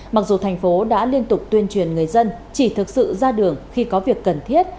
mặc dù thành phố đã liên tục tuyên truyền người dân chỉ thực sự ra đường khi có việc cần thiết